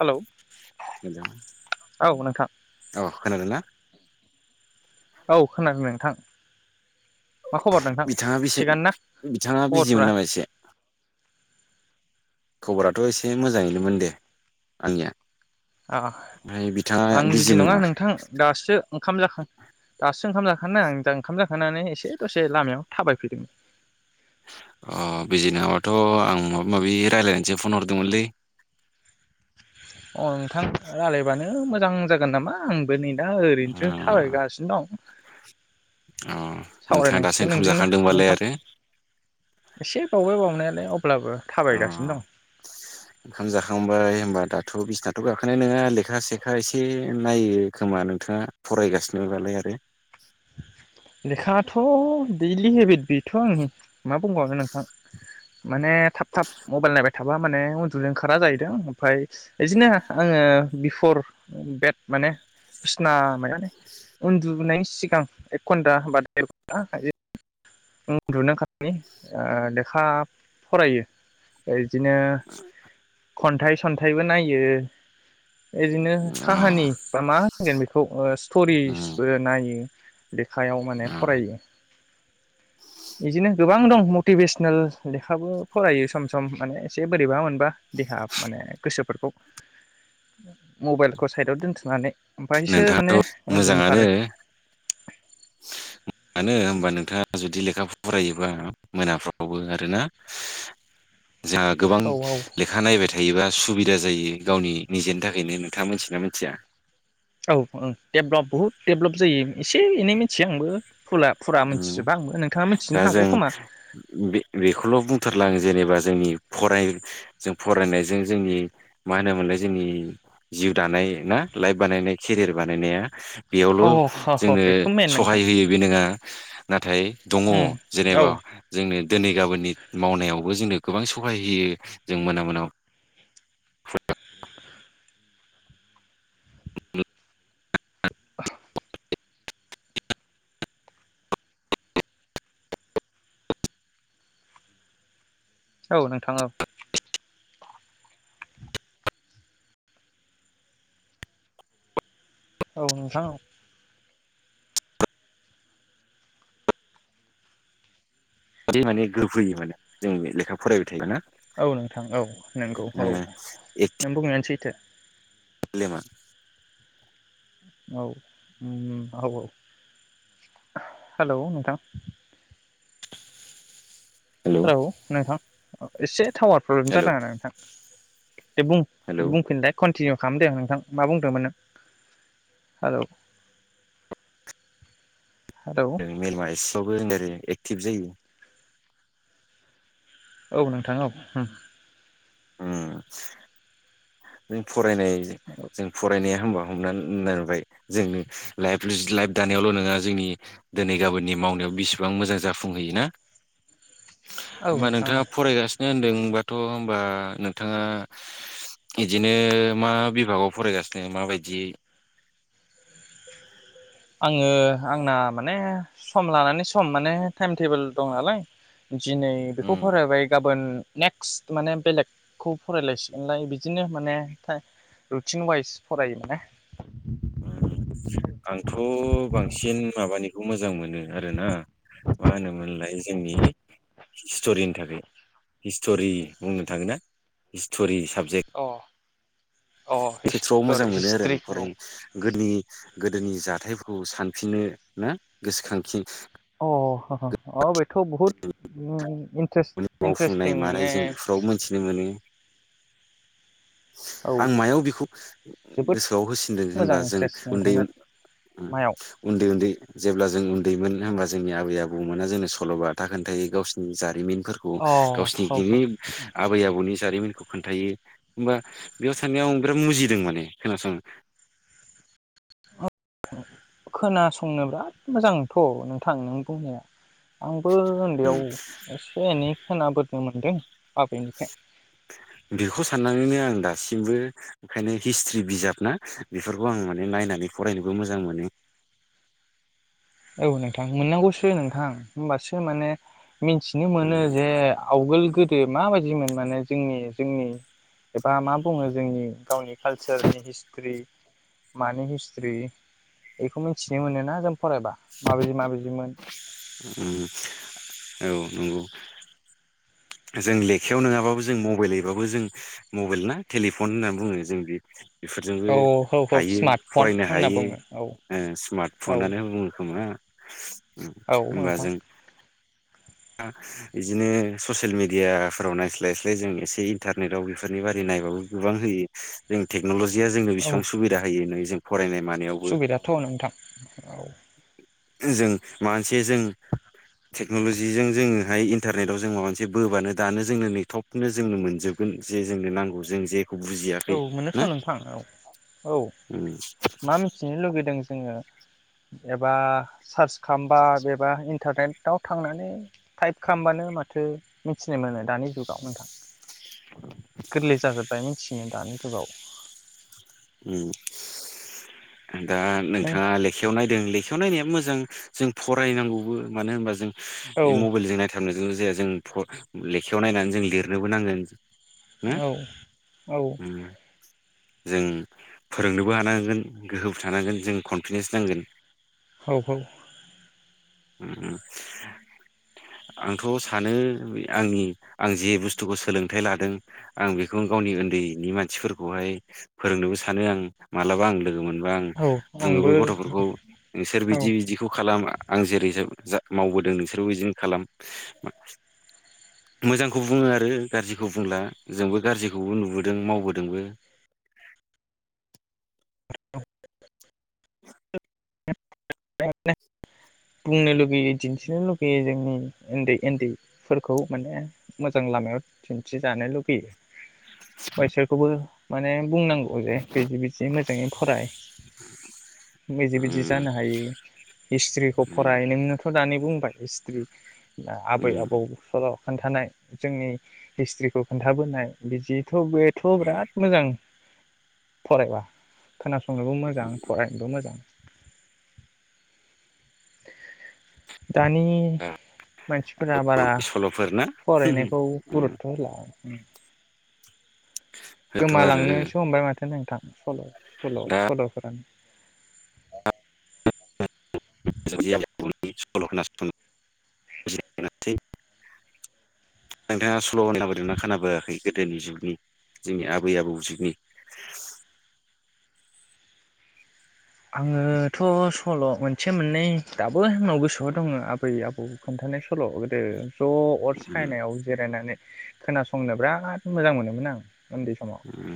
Hello hello औ नोंथां औ खोनादोंना औ खोनादों नोंथां मा खबर नोंथां बिथाङा बेसे थिगानो ना बिथाङा खबरफोरा बिजिमोन नामा इसे खबराथ' एसे मोजाङैनोमोन दे आंनिया अ ओमफ्राय बिथाङा आं बिजि बिजिमोन नङा नामा नोंथां दासो ओंखाम जाखां दासो ओंखाम जाखां ओंख आं ओंखाम जाखांनानै इसे दसे लामायाव थाबायफैदोंमोन अ बिजि नङाबाथ' आं माबा माबि रायज्लायनोसो फन हरदोंमोनलै अ नोंथां रायजलायबानो मोजां जागोन नामा आंबो नै दा ओरैनोसो थाबायगासिनो दं अ नोंथाङा दासो सावरायनांसिगोन ओंखाम नोंजोंनो जाखांदोंबालाय नोंथां आरो एसे [unintelligible] अ थाबायगासिनो दं ओंखाम जाखांबाय होनबा दाथ' बिसिनाथ' गाखोनाय नङा लेखा सेखा एसे नायो खोमा नोंथाङा फरायगासिनोबालाय आरो लेखायाथ' दैलि हेबिट बेथ' आंनि मा बुंबावनो नोंथां माने थाब थाब मबाइल नायबाय थाबा माने उन्दुनो ओंखारा जाहैदों ओमफ्राय बिदिनो आङो बिफर बेट माने बिसना माने उन्दुनायनि सिगां एक घन्टा बा देर घन्टा उन्दुनो ओंखारनायनि लेखा फरायो बिदिनो खन्थाइ सन्थाइबो नायो बिदिनो अ काहानि बा मा होनगोन बेखौ उम स्ट'रिसबो नायो लेखायाव माने अ फरायो। बिदिनो गोबां दं मटिभेसनेल लेखाबो फरायो सम सम माने एसे बोरैबा मोनबा देहा माने गोसोफोरखौ मबाइलखौ साइदाव दोनथ'नानै। ओमफफ्रायसो माने नोंथाङाथ' उन्दु ओंखारो। मोजांआनो होनबा नोंथाङा जुदि लेखा फरायोबा मोनाफ्रावबो आरोना। जोंहा गोबां औ लेखा नायबाय थायोबा सुबिदा दा जायो गावनि निजेनि थाखायनो नोंथाङा मिथियोना मिथिया औ औ देभलप बहुत देभलप जायो एसे एनै मिथियो आंबो फुला फुरा उम मिथिजोबा आंबो नोंथाङा दा मिथिनो जों हागौ खोमा। बे बेखौल' बुंथारला आं जेनेबा जोंनि फराय जों फरायनायजों जोंनि मा होनोमोनलाय जोंनि जिउ दानाय ना लाइफ बानायनाय केरियार बानायनाया बेयावल' अ ह ह बे बेथ' मेन नोंथां सहाय होयो बे नङा नाथाय दङ उम औ जेनेबा जोंनो दिनै गाबोननि मावनायावबो जोंनो गोबां सहाय होयो जों मोना मोनायाव [unintelligible] औ नोंथां औ औ नोंथां बिदि माने गोहोफैयो माने जों लेखा फरायबाय थायोबा ना औ नोंथां औ नंगौ औ नों बुंनायानो सैथो। बलिमान औ औ औ हेलौ नोंथां हेलौ नोंथां एसे टावार प्रब्लेम हेलौ जादों आंना नोंथां दे बु हेलौ बुंफिनलाय खन टिनिउ खालामदों नोंथां मा बुंदोंमोन नो हेलौ हेलौ [unintelligible] थिब जायो औ नोंथा औ उम उम फरायनाय जों फरायनाया होम्बा हमना नुबाय जोंनो लाइफ लाइफ दानायावल' नङा जोंनि दिनै गाबोननि मावनायाव बिसिबां मोजां जाफुंहैयोना औ होम्बा नोंथां औ नोंथाङा फरायगासिनो होनदों होनबाथ' बा नोंथाङा बिदिनो मा बिभागाव फरायगासिनो माबायदि आङो आंना माने सम लानानै सम माने टाइम टेबोल दं नालाय दिनै उम बेखौ फरायबाय गाबोन नेक्स्ट माने बेलेगखौ फरायलायसिगोनलाय बिदिनो माने रुटिन वाइस फरायो माने आंथ' बांसिन माबानिखौ मोजां मोनो आरोना मा होनोमोनलाय जोंनि हिस्ट'रिनि थाखाय हिस्ट'रि बुंनो थाङो ना हिस्ट'रि साबजेक्ट अ अ खेथ्रआव मोजां हिस्टर मोनो आरो आं हिस्ट्रि अ फरायनो गोदोनि गोदोनि जाथायफोरखौ सानफिननो ना गोसोखांफिन [unintelligible] थ' बहुत मावफुंनाय मानाय जों बेफोराव मोनथिनो मोनो औ आं मायाव बेखौ जोबोद गोसोआव होसिनदों मोजां होनबा जों इन्ट्रेस्ट उन्दै नोंथांनो उम मायाव उन्दै-उन्दै जेब्ला जों दैमोन होमबा जोंनि आबै आबौमोना जोंनो सल'बाथा खोन्थायो गावसिनि जारिमिन फोरखौ अ औ गावसिनि औ गेदेर आबै आबौनि जारिमिन खौ खोन्थायो होम्बा बेयाव थानायनायाव बिराद मुजिदों माने खोनासंनो खोनासंनो बिराद मोजांथ' नोंथां नों बुंनाया आंबो उन्दैयाव एसे एनै खोना बोदनो मोनदों आबैनिफ्राय बेखौ साननानैनो आं दासिमबो ओंखायनो हिस्ट्रि बिजाब ना बेफोरखौ आं माने नायनानै फरायनोबो मोजां मोनो औ नोंथां मोननांगौसो नोंथां होम्बासो माने मिथिनो मोनो जे आवगोल गोद दों माबायदिमोन माने जोंनि-जोंनि एबा मा बुङो जोंनि गावनि कालसारनि हिस्ट्रि माने हिस्ट्रि बेखौ मिथिनो मोनोना जों फरायबा माबायदि माबायदिमोन उम औ नंगौ जों लेखायाव नङाबाबो जों मबाइलैबाबो जों मबाइल ना टेलिफन होननानै बुङो जों बे बेफोरजोंबो औ औ औ हायो स्मार्टफन फरायनो होनना हायो बुङो औ ओ स्मार्ट औ फनानो बुङो खोमा औ नोंथां। ओ बिदिनो ससियेल मिेडियाफोराव नायस्लायस्लाय जों एसे इन्टारनेटआव बेफोरनि बारै नायबाबो गोबां होयो जों टेक्न'लजि जिया जोंनो औ बेबां सुबिदा होयो नै जों फरायनाय मानायावबो सुबिदाथ' नोंथां औ। जों मानसि जों टेक्न'लजि जिजों जोङोहाय इन्टारनेटाव जों माबा मोनसे बोबानो दानो जोंनो नै थफनो जोंनो मोनजोबगोन जे जोंनो नांगौ जों जे औ मोनोथ' नोंथां औ औ औ उम मा मिथिनो लुगैदों जोङो एबा सार्च खालामबा एबा इन्टारनेटाव थांनानै टाइप खालामबानो माथो मिथिनो मोनो दानि जुगाव नोंथां। गोरलै जाजोबबाय। फिसिनो दानि जुगाव ओम। दा नों नोंथाङा लेखायाव नायदों लेखा बेयाव नायनाया मोजां जों फरायनांगौबो मानो होनबा जों औ ए मबाइलजों नायथारनो ज जाया जों फरा लेखायाव नायनानै जों लिरनोबो नांगोन ना औ औ। जों फोरोंनोबो हानांगोन गोहोबो थानांगोन जों कनफिदेन्स नांगोन औ औ। आ आंथ' सानो आंनि आं जे बुस्थुखौ सोलोंथाइ लादों आं बेखौ गावनि उन्दैनि मानसिफोरखौहाय फोरोंनोबो सा सानो आं मालाबा आं लोगो मोनब आं औ बुङोबो आंबो गथ'फोरखौ नोंसोर औ बिदि बिदिखौ खालाम आं जेरै जाब जा मावबोदों नोंसोरबो बिदिनो खालाम मोजांखौ बुङो आरो गाज्रिखौ बुंला जोंबो गाज्रिखौबो नुबोदों मावबोदोंबो। [unintelligible] बुंनो लुगैयो दिन्थिनो लुगैयो जोंनि उन्दै उन्दैफोरखौ माने मोजां लामायाव दिन्थिजानो लुगैयो बायसोरखौबो माने बुंनांगौ जे बेदि बिदि मोजाङै फराय बेदिे बिदि उम जानो हायो हिस्ट्रिखौ उम फराय नोंनोथ' दा नै बुंबाय हिसथ्रि आबै उम आबौ सल खोन्थानाय जोंनि हिस्ट्रिखौ खोन्थाबोनाय बिदि थ' बेथ' उम बिराद मोजां फरायबा खोनासंनोबो मोजां फरायनोबो मोजां। [inaudible] दानि मानसिफोरा बारा बर'नि सल'फोर ना फरायनायखौ उम गुरुथ' होला। उम। दाथ' आरो गोमालांनोसो हमबाय माथो नोंथां। सल' सल' दा सल'फोरानो। नोंथाङा सल' खोनाबोदोंना खोनाबोआखै गोदोनि जुगनि जोंनि आबै आबौ जुगनि? आङोथ' सल' मोनसे मोननै दाबो आंनाव गोसोआव दङ आबै आबौ खोन्थानाय स सल' गोदो ज' अर उम सायनायाव जिरायनानै। खोनासंनो बिराद मोजां मोनोमोन आं। उन्दै समाव उम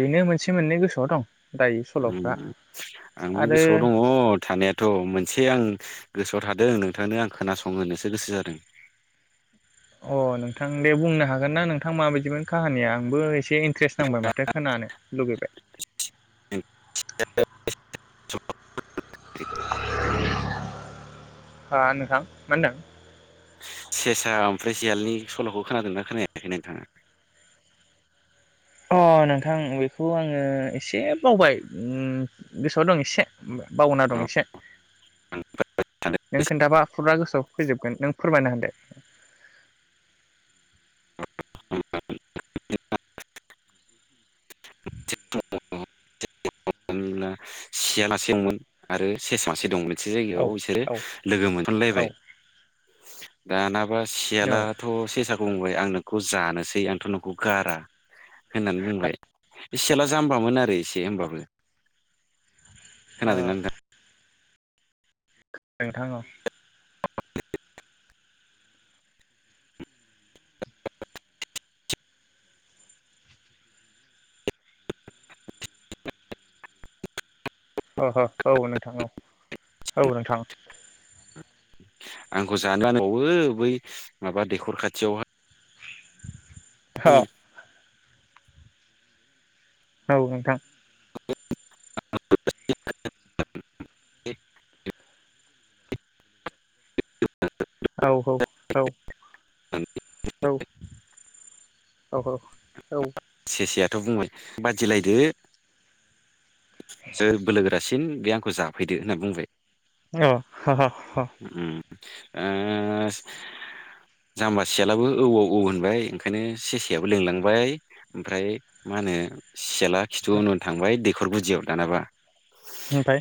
बेनो मोनसे मोननै गोसोआव दं। दायो सल'फ्रा। उम आंबो आरो गोसोआव दङ थानायाथ' मोनसे आं। गोसोआव थादों नोंथांनो आं खोनासं होनोसो गोसो जादों। अ नोंथां दे बुंनो हागोन ना नोंथां माबायदिमोन काहानिया आंबो एसे दे इन्ट्रेस्ट नांबाय माथो खोनानो लुगैबाय। हा नोंथां मा ओनदों? सेसा ओमफ्राय सियालनि सल'खौ खोनादों ना खोनायाखै नोंथाङा? अ नोंथां बेखौ आङो एसे बावबाय उम गोसोआव दं एसे। बावना औ दं एसे नों खोन्थाबा फुरा गोसोआव फैजोबगोन नों। फोरमायना होदो। [unintelligible] [unintelligible] सियालासे दंमोन आरो सेस मासे दंमोन। मोनसे औ जायगायाव इसोरो औ लोगो औ मोनलायबाय। दाना बा सियालाथ' से साखौ। बुंबाय आं नोंखौ जानोसै आंथ' नोंखौ गारा होननानै बुं इ सियाला जाम्बामोन आरो। इसे होमबाबो। खोनादों ना नोंथां? नोंथां औ। [unintelligible] अ ह। औ नोंथां औ औ नोंथां। आंखौ जानोबावो बै माबा दैखर खाथियावहाय। हो उम औ नोंथां। [unintelligible] औ औ औ औ औ औ औ सेसायाथ' बुंबाय बादिलायदो सोर बोलोगोरासिन बे आंखौ जाफैदो होनना बुंबाय। अ ह ह ह उम ओ स जाम्बा सियालाबो औव औ होनबाय ओंखायनो सेसेयाबो लिंलांबाय ओमफ्राय मा होनो सियाला खिथु उन उन थांबाय दैखर गुदियाव दानाबा ओमफ्राय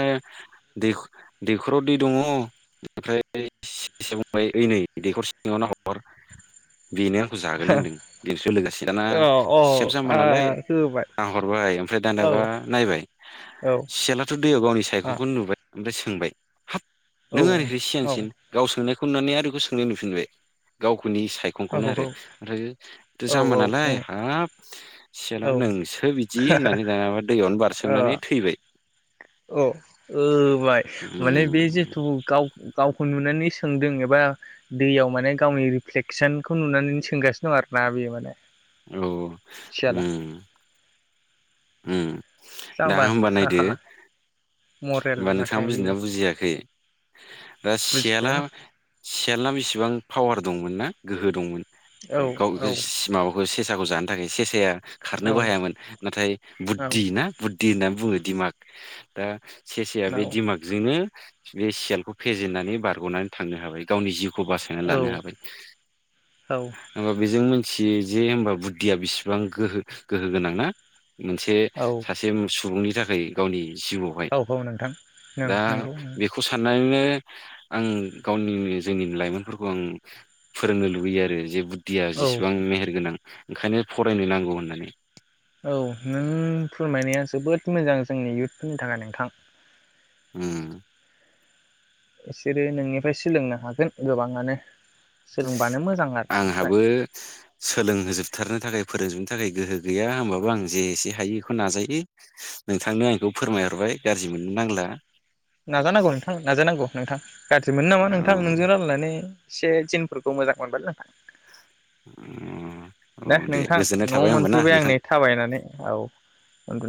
दैख-दैखराव दै दङ बेनिफ्राय सेसाया बुंबाय ओइ नै दैखर सिङावनो नायहर बेनो आंखौ जागोन होनदों बेस लोगोसे दाना औ औ सियाल जामबा आ नालाय होबाय आं हरबाय ओमफ्राय औ दानाबा नायबाय औ सियालाथ' दैयाव गावनि आ सायखंखौनो नुबाय ओमफ्राय सोंबाय हाब औ नों आंनिख्रुय औ सिगांसिन गाव सोंनाय नानै आरो बेखौ सोंनो नुफिनबाय गावखौ दुखुनि औ सायखंखौनो औ आरो ओमफ्रायथ' जाम्बा नालाय हाब सियाला नोंसो बिदि होननानै दाबा दैयावनो बारसोमनानै थैबाय अ ओ बाय माने बे उम जिथु गाव गावखौ नुनानै सोंदों एबा दैयाव माने गावनि रिफ्लेकसनखौ नुनानै सोंगासिनो दं आरो ना बेयो माने औ सियाला उम उम दा जाम्बा होनोमबा नायदो मरेल होमबा नोंथाङा माथो बुजिनाया बेयो बुजियाखै दा बुजिबाय सियाला आं सियालआ बेसेबां पावार दंमोन ना गोहो दंमोन औ गाव औ गोस माबाखौ से साखौ जानो थाखाय सेसाया औ खारनोबो हायामोन नाथाय औ बुद्धि ना दि होननानै बुङो दिमाग ओ ससेया औ बे दिमागजोंनो बे सियालखौ फेजेननानै बारग'नानै थांनो हाबाय गावनि जिउखौ खौ बासायना लानो हाबाय औ हबा बेजों मिथियो जे होमबा बुद्धिया बिसिबां गोहो गोहो गोनां ना मोनसे औ उम सुबुंनि थाखाय गावनि जिउआवहाय औ औ नोंथां नों दा नंगौ बेखौ सान नो आं गावनि जोंनि लाइमोनफोरखौ आं फोरोंनो लुबैयो आरो जे थिया औ जेसेबां मेहेरगोनां ओंखायनो फरायनो नांगौ होननानै औ नों फोरमायनाया जोबोद मोजां जोंनि इुथफोरनि थाखाय नोंथां उम बिसोरो नोंनिफ्राय सोलोंनो हागोन गोबाङानो सोलोंबानो मोजां आरो ओमफ्राय आंहाबो सोलोंहोजोबथारनो थाखाय फोरों थाखाय गोहो गैया होमबाबो आं जे एसे हायो बेखौ नाजायो नोंथांनो आंखौ फोरमायहरबाय गाज्रि मोननो नांला नाजानांगौ नोंथां नाजानांगौ नोंथां गाज्रि मोनो नामा औ नोंथां नोंजों रायलायनानै एसे जिनफोरखौ मोजां मोनबायलैनोंथां औ दे नोंथां गोजोननाय नआव थाबाय होमबा ना मोनफैबाय आं नोंथां नै थाबायनानै औ उन्दु